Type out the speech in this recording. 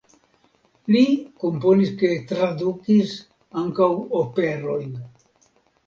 Li komponis kaj tradukis ankaŭ operojn.